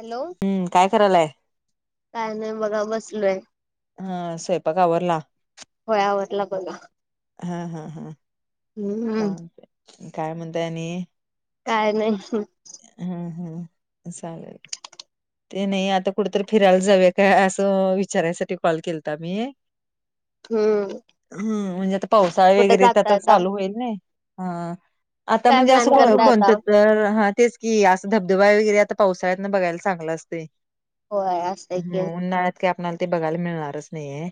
Hello हम्म काय करायलाय? काय नाही बघा बसलोय हा स्वयंपाक आवरला. होय आवडला बघा हा हा हा हम्म ांगते काय म्हणतायनी काय नाही हम् हम् चालेल ते नाही आता कुठेतरी फिरायला जावे का असं विचारायसाठी कॉल केलता मी हम्म हम् म्हणजे आता पावसाळा कुठे वगैरे तर जाता तर आता चालू होईल नाही हा. आता काय म्हणजे असं प्लॅन करता कोणत आता तर हा तेच कि असं धबधबा वगैरे आता पावसाळ्यातन बघायला चांगला असत होय असतय की का आपल्याला ते बघायला मिळणारच नाहीये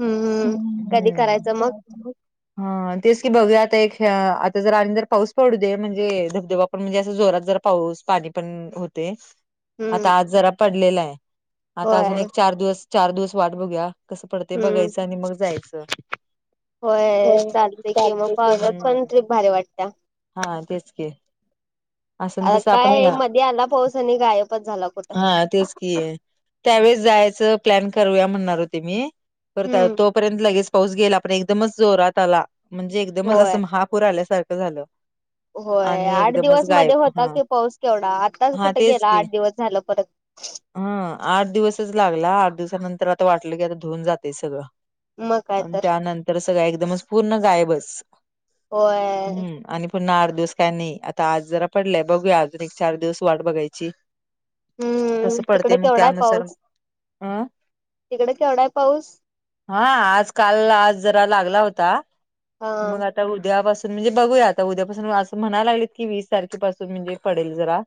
हम्म हम् कधी करायचं मग हम्म हा तेच की बघूया आता एक आता जर आणिंदर पाऊस पडू दे म्हणजे धबधबा पण म्हणजे असं जोरात जर पाऊस पाणी पण होते हम्म आता आज जरा पडलेला आहे आता होय अजून एक चार दिवस चार दिवस वाट बघू कसं पडत हम्म बघायचं आणि मग जायचं होय चालते की मग पावसात पण ट्रीप भारी वाटते हा तेच के आ काय मध्ये आला पाऊस आणि गायबच झाला कुठं हा तेच की आहे त्यावेळेस जायचं प्लॅन करूया म्हणणार होते मी करताय हम्म तोपर्यंत लगेच पाऊस गेईला आपण एकदमच जोरात आला म्हणजे एकदमच होय. असं महापूर आल्यासारखं झालं होय आणि आठ एकदमच दिवस गायब मध्ये होता हा की पाऊस केवढा आताच हा कुठे गेला आठ दिवस झाला परत हं आठ दिवसच लागला आठ दिवसानंतर आता वाटलं की आता धुऊन जातेय सगळं मग काय आणि तर त्यानंतर स गा एकदमच पूर्ण गायबच होय हम्म आणि. पुन्हा आठ दिवस काय नाही आता आज जरा पडलंय बघूया अजून एक चार दिवस वाट बघायची हम्म कसं पडते तिकडे मग केवढा आहे त्यानुसार पाऊस अं तिकडे केवढाय पाऊस? हा आज काल आज जरा लागला होता हा मग आ ता उद्यापासून म्हणजे बघूया आता उद्यापासून असं म्हणाला लागले की वीस तारखेपासून म्हणजे पडेल जरा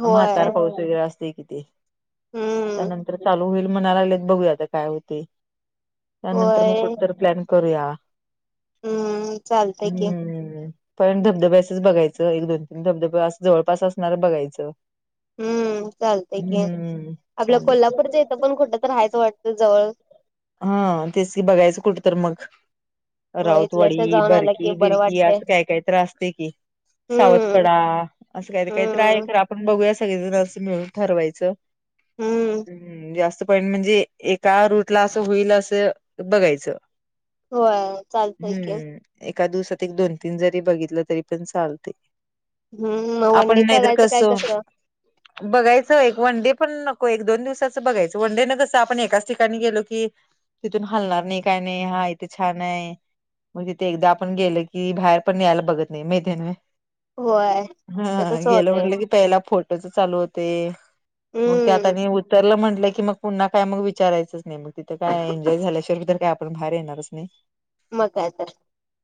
होय म्हातार पाऊस वगैरे असते किथ हम्म त्यानंतर चालू होईल म्हणायला लागलेत बघूया काय हो त्यानंतर मग होय कुठ प्लन करूया हम्म चालतय की हम्म् पण धबधब्याचंच बघायचं एक दोन तीन धबधब अस जवळपास असणार बघायचं हम्म चालतंय की हम्म आपल्या चालेल कोल्हापूरच इथं पण कुठ तर राहायच वाटतं जवळ हा तेच की बघायचं कुठं तर मग हो इथल्या इथं राऊतवाडी जाऊन आलं की बरकी बरं बिरकी वाटतंय असं काय काही त्रासते की सावत हम्म कडा असं काहीतरी काहीत आहे हम्म क आपण बघूया सगळेजण मिळून ठरवायचं हम्म जास्त पॉईंट म्हणजे एका रूटला असं होईल असं बघायचं होय चालतय की हम्म एका दिवसात एक दोन तीन जरी बघितलं तरी पण चालते हम्म मग वनडे करायचं काय कसं. ह. घायचं एक वनडे पण नको एक दोन दिवसाचं बघायचं वनडे न कसं आपण एकाच ठिकाणी गेलो की. तिथून हालणार नाही काय नाही हा इथे छान आहे. मग तिथे एकदा आपण गेल की बाहेर पण यायला बघत नाही माहे ना. होय ते हा तसं गेलं होतय म्हणलं क. प फोटो चालू होते मग हम्म आ. उत्तरला म्हटलं की मग पुन्हा काय मग विचारायचंच नाही मग तिथे काय एन्जॉय झाल्याशिवायर काय आपण बाहेर येणारच नाही. [inaudible] मगयता.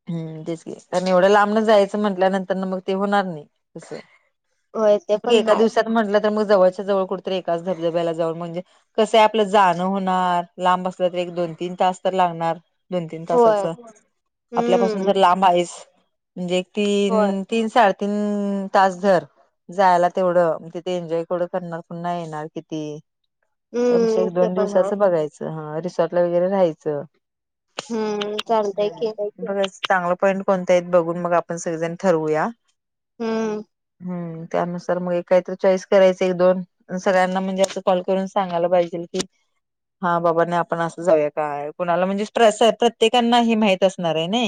हम्म तेच ग कारण एवढं लांबणं जायचं म्हटल्यानंतर ना मग ते होणार नाही तसं. होय ते बर पण एका हाय दिवसात म्हटलं तर मग जवळच्या जवळ कुठतरी एकाच धबधब्याला जाऊन म्हणजे. कसं आपलं जाणं होणार लांब असलं तर एक दोन तीन तास तर लागणार. दोन तीन होय तासाच आपल्यापासून हम्म तर लांब आहेस म्हणजे होय तीन. तीन साडेतीन तास धर. जायला तेवढं मग तिथे एन्जॉय केवढं करणार पुन्हा येणार किती. त्यापेक्षा हम्म एक ते दोन पण हाय दिवसाचं बघायचं. रिसॉर्ट ला वगरे राहायचं. [unintelligible] हम्म चालतय की बघच चांगलं पॉईंट कोणत आहेत बघून मग आपण सगळेजण ठरवूया. हम्म हम्म. त्यानुसार मग एक काहीत चॉईस करायच एक दोन. सगळ्यांना म्हणजे असं कॉल करून सांगायला पाहिजे की. हा बाबा नाही आपण असं जाऊया काय कुणाला म्हणजे स्ट्रेस आहे प्रत्येकांना हे माहित असणार आहे ना.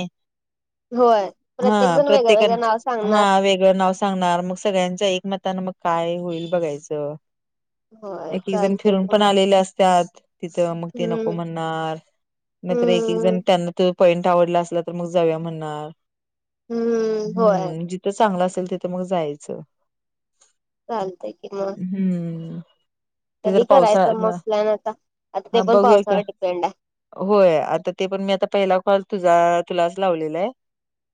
होय हा प्रत्येक आ जण वेगळं प्रत्येका वेगळं नाव हा सांगणार आ वेगळ नवसा. सांगणार मग सगळ्यांच्या एकमतानं मग काय होईल बघायचं. होय एक एक जण चालतय फिरून कि पण मग आलेले असत्याात तिथ मग ते नको हम्म म्हण. असणार नाहीतर एक एक हम्म जण त्यांना त पॉइंट आवडला असला तर मग जावया म्हणणार. हम्म होय हम्म जिथं चांगलं असेल तिथं मग जायचं. चालतंय की मग. हम्म. ते जर कधी पावसाळ्यात करायचं मग ना प्लॅन आता आता ते हा पण बघूया की पावसावर डिपेंड आहे. होय आता ते पण मी आता पहिला कॉल तुझा तुलाच लावलेला आहे.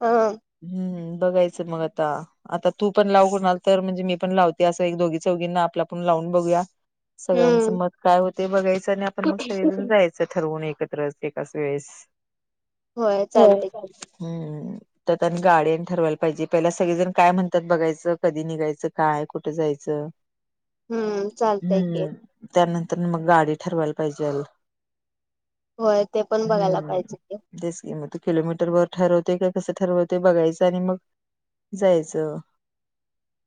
हो. हम्म बघायचं मग आता आता तू. पण लावू कुणाल तर म्हणजे मी पण लावते असं एक दोघी चौघींना आपला पण लावून बघूया. सगळ्यांचं हम्म मत काय होत बघायचं आणि आपण मग सगळे जण जायचं. अस ठरवून एकत्र एकाच वेळेस होय चालतय की चालत. हम् तेतन गाडी न ठरवायला पाहिजे पहि सगळेजण काय म्हणते. त्यात बघायचं कधी निघायचं कायय कुठं जायचं हम्म चालतय की हम्म. त्यानंतर मग गाडी ठरवायला पाहिजे याल. होय ते पण बघायला पाहिजे ते. जस म. [unintelligible] किलोमीटर वर ठरवते काय कसं ठरवते बघायचं आणि मग जायचं.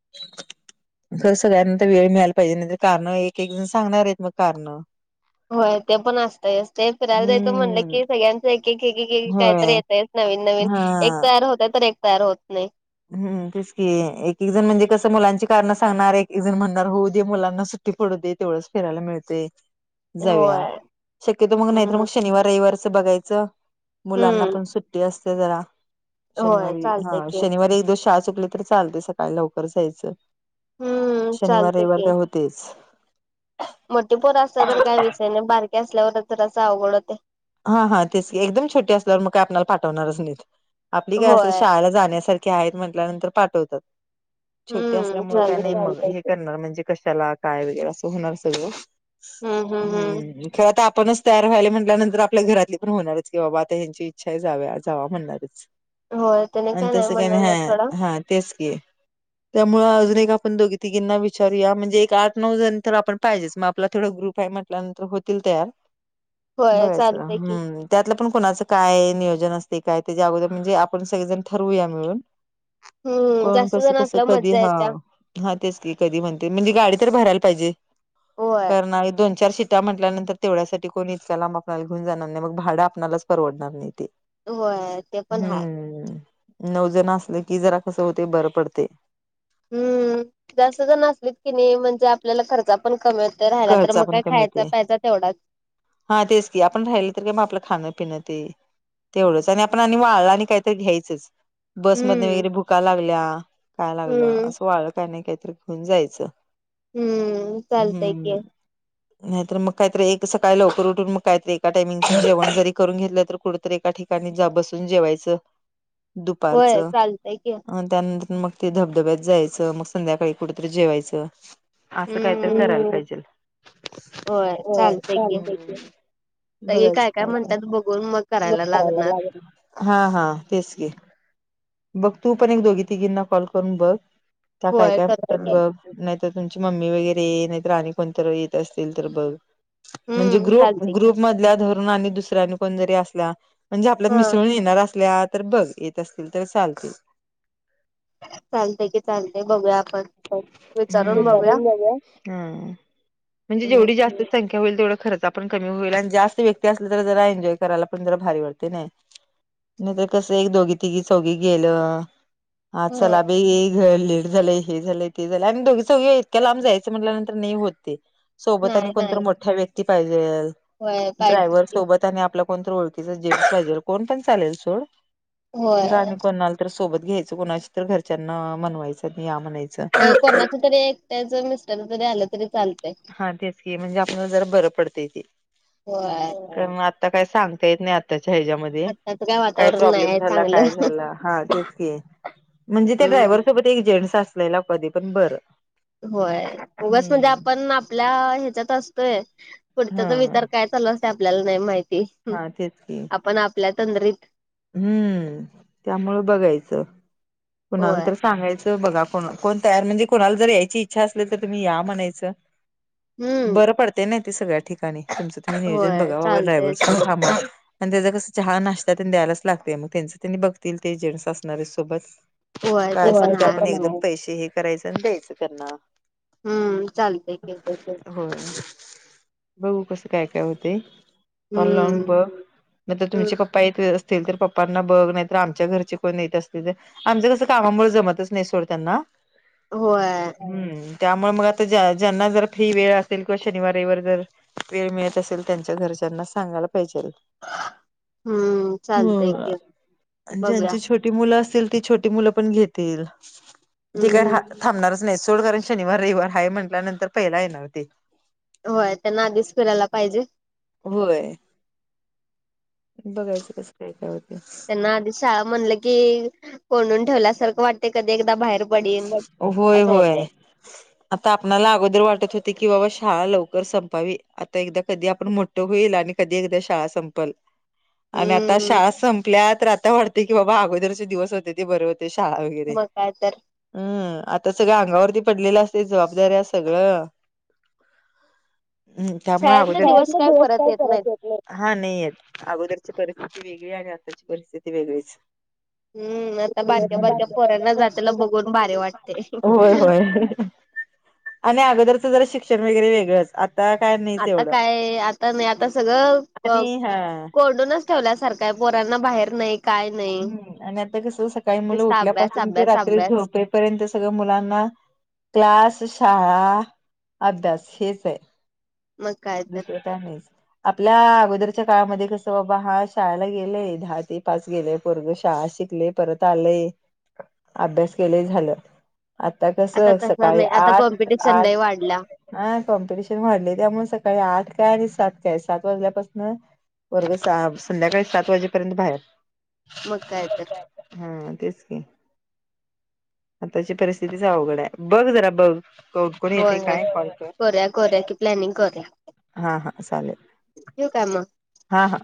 [inaudible] खर सगळ्यांना तर वेळ मिळायला पाहिजे नाही तर कारण एक एक जण सांगणार आहेत मग कारण. होय ते पण असतयस ते फिरायला देतं म्हणलं हम्म की सगळ्यांच एक एक काहीतरी होय येतयस नवीन नवीन. हा एक तयार होत तर एक तयार होत नाही. हम् तस कि एक एक जण म्हणजे कस मुलांची कारणं सांगणार एक एक जण म्हणणार हो दे मुलांना सु. टी पडुदे तेवढंच फिरायला मिळतय. जाऊया होय शक्यतो मग नाही हम्म तरर मग शनिवार रविवारच बघायचं. मुलांना हम्म पण सुट्टी असते जरा होय शनिवारी चालतय हा की बर एक दिवस शाळा चुकली तर चालते सकाळी लवकर जायचं हम्म शनिवार चालत रविवार तेच मोठे पोर असल्या तर काय विषय नाही बारकीे असल्यावरच जर असं अवघड होते य हा हा तेच एकदम छोटी असल्यावर मग काय आपल्याला पाठवणारच नाहीत आपली काय अस होय शाळेला जाण्यासारख ते आहेत म्हटल्यानंतर पाठवतात छोटी हम्म चालतय की असल्यामुळे करणार म्हणजे कशाला काय वगैरे असं होणार सगळं हम्म हम्म हम्म हम् खर आता आपणच तयार व्हायला म्हटल्यानंतर आपल्या घरातली पण होणारच की बाबा आता ह्यांची इच्छा आहे जाव्या जावा म्हणणारच होय त्याने आणि तस काय म्हणणार नाही सोडा हा हा तेच की त्यामुळ अजून एक आपण दोघी तिघींना विचारूया,, म्हणजे एक आठ नऊ झाल्यानंतर आपणऽ पाहिजेच,, मग आपला तेवडं ग्रुप आहे म्हटल्यानंतर होतील तयारऽ होय चालऽ हम्म, त्यातलं पण कुणाचं काय नियोजन असतय काय,, त्याच्या अगोदर म्हणजे आपण सगळेजण ठरवूया मिळूनऽ हम्म कोण जास्त कस जण कसं असल्यावर कधी? मज्जा हा,,, येत्या हा, तेच की कधी म्हणते म्हणजे गाडी तर भरायला पाहिजे,, होय. करणा दोनऽ चार शिटा म्हटल्यानंतर तेवढ्यासाठी कोणी इतकल्या लांब मऽ घिउन जाणार नाही मग भाडं आपणालाच परवडणार नाही ते,, होय ते पण हाय हम्म,, नऊजण असलं की जरा कसं होतय, बरं पडतय. हम्म,, जास्त जन आसलीत की नाही म्हणजे आपल्याला खर्चा पण कमीेऽ राहिला तर खर्चा मग पण काय कमी खायचा, येते पायचा तेवढाच. हा तेच की,, आपण राहिलं तर काय मग आपलं खाणं पिणं तेऽ तेवढंच,, आणि आपण आणि वाळळ आणि काहीतरी घ्यायचंच बसमधे हम्म वगैरे भुका लागल्या,, काय लागलं,, हम्म असं वाळ काय नाही काहीतरी घेऊन जायचं. हम्म,, चालतय हम्म की. नाहीतर मग काहीतरी एक सकाळी लवकर उठून मग काहीतरी एका टाइमिंग चं जेवण जरी करून घेतलं तर कुडतरी एका ठिकाऽ ठिकणी बसून जेवायचं,, होय दुपारचं,, चालतय की अ त्यानंतर मगऽ ते धबधब्यात जायचं,, मग संध्याकाळी कुठतरी जेवायचं,, असं कायतरी हम्म करायला पाहिजे. हो,, चालतय की. सगळे बरंच काय काय,, म्हणतात बघून मग म करायला लागणार. लागलऽ हा, हा, तेच की, बघ तू पण एक दोघी तिघींना कॉल करून बघ. त्या काय, होय काय करतो म्हटतात की बघ? नाहीतर तुमची मम्मी वगैरे ये,, नाहीतर आणि कोणतर येत असतील तर बघ. म्हणजे हम्म ग्रुप, चालते की ग्रुप मधल्या धरून आणि दुसऱ्यानी कोण जरी असल्याऽ म्हणजे आपल्यात हा मिसळून येणार असल्या तर बघ,,, येत असतील तर चालतील चालते की चालते बघूया आपण ते विचारून बघूया ह, म्हणजे जेवढ जास्त संख्या होईल तेवढ खर्चा पण कमी होईल,, आणि जास्त व्यक्ती असल तर जरा एन्ॉय करायला पण जरा भारी वाडतऽ ते नाही,, नाही तरर कसं एक दोघी तिघी चौघी गेलंऽ ह चलाबाईऽ लेट झालंय, हे झालंय, ते झालंय,,, आणि दोघी चोघी इतक्या लांब जायचं म्हटल्यानंतर नाही होत तेऽ सोबत आणि नाही कोणतरी नाही मोठ्या व्यक्ती पाहिजे,, होय पाहिजे ड्रायव्हर की सोबतऽ आपला कोणतर ओळखीचा जेंटस पायजेल,, कोण पण चालेल सोड,, खर होय आणि कोणाऽ तर सोबत घ्यायचं,, कोणाशी तर घरच्यांना म्हनवायचं,, आणि या म्हणायचंऽ वय कोणाच तरी एक त्याच मिस्टर जरी आलं तरी चालतऽ हा तेच की,, म्हणजे आपल्याला जरा बरं पडतय ते. होय कारन आता काय सांगता येत नाही,, आताच्या ह्याच्यामध्ये,, आत्ताच काय वातावरण नाही प्रॉब्लेम आहे झाला चांगलं काय झाला? हा तेचकी,, म्हणजे त्या ड्रायव्हर हम्म सोबत एक जेंट्स असलेला कधी पण बरं. होय,, उगच म्हणजे हम्म आपण, आपल्या ह्याच्यात असतोय,, पुढ हा च्याचा विचार कायऽ चालु असतय आपल्याला नाही माहिती,, हा तेच की आपण आपल्या तंदरीत,,, हम्म,, त्यामुळे बघायचं,, कुणाला होय तरऽ सांगायचं, बघा को कोण तयार म्हणजे कोणाला जर यायची इच्छा असली तर तुम्ही या म्हणायचं. हम्म बरं पडतय नाही ते सगळ्या ठिकाणी,, तुमचं तुम्ही नियोजन होय बघाबाबा ड्रायवरऽ चालतयच की आणि त्याचा कसं चहा, नाश्ता त्यां द्यायलाच लागतय मग,, त्यांच त्यांनी बघतील ते जें्स असणारे सोबत होय काय पण ते हाय आप एकदम पैशी हेऽ करायचं आनी द्यायचं त्यांना हम्म चालतय की होय,, बघू कसं काय काय होतय? काॅल लावून हम्म बघ,, नाही तर हम्म तुमचे पऽऽ पप्पा येत असतील, तर पप्पांना बघ नाही तर आमच्या घरचे कोण येत असतील तरऽऽ आमचं कसं कामामुळे जमतच नाही सोड त्यांना. होय हम्म त्यामुळे मग आता ज ज्यांना जर फ्री वेळ असेल किंवा शनिवारीवर जर. वेळ मिळत असेल त्यांच्या घरच्यांना सांगायला पाहिजे हम्म चालतय ह की बघूया जचे छोट. मुलं असतील ती छोटी मुलं पण घेतील ती काय. हम्म थांबणारच नाही सोड कारण शनिार रविवार हा म्हटल्यानंतर पहिला येणार हो ते. होय त्यांना आधीच फिरायला पाहिजे. होय बघायचं कस काय काय होते. आध म्हण की कोून ठेवल्यासारं वाट कधी एक बाहेर. पडीन होय असं होय. होतय आता आपल्याला अगोदर वाटत होते की बाबा शाळा लवकर संपावी आता एकदा कधी आपण मो होईल आणि कधी एकदा शाळा संपल आणि आता हम्म शाळा संपल्यात रातता वाटते की बाबा अगोदरचे दिवस होते ते बरे होते. ते शाळा वगैरे. मग काय तर. हम् आता सगळं अंगावरती पडलेलं असते जबाबदारी आहे सगळं. हम्म शाळेतले त्यामुळेगद दिवस परत काय येत नाहीत करायच. हा नाहीयेत अगोदरची परिस्थिती वेगळी आणि आताची परिस्थिती वेगळीच. हम् आता बारक्या हम्म. बारक्या पोरांना जाताला बघून भारीे वाटत होय होय आणि अगोदरचं जरा शिक्षण वगैरे वेगळंच आता काय नाही. आता काय आता नाही आता सगळं आणि हा कोडूनच. ठेवल्यासारखं आहे पोरांना बाहेर नाही. काय नाही हम् आणि आता कस सकाळी मुलं नुसता अभ्यास उठल्यापासून ते अभ्यास रात्री अभ्यास झोपेपर्यंत सगळं मुलांना. त्यास शाळा अभ्यास हेच आहे. मग काय तर दुसरं त्यानीच. आपल्या अगोदरच्या काळामध्ये कसं बाबा हा शाळेला गेलेय दहा ते पाच गेले. वर्ग शाळा शिकले परत आलंय अभ्यास केलेय झालं. आता कसं तसं सकाळी नाही आता आठ कॉम्पिटिशन आठ लय वाढल्या हा कॉम्पिटिशन वाढले त्यामुळे सकाळी आठ काय आणि सात काय सात वाजल्यापासन. वर्ग संध्याकाळी सात वाजेपर्यंत बाहेर. मग काय तर. हा तेच क. आताची परिस्थितीच अवघड आहे बघ जरा बघ ककण येते काय कॉलत. क क क. प्लॅनिंग कररा. हां हां चालेल. यव कामा. हा हा.